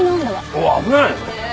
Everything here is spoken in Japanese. おお危ない！